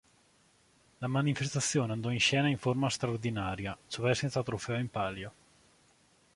La manifestazione andò in scena in forma straordinaria, cioè senza trofeo in palio.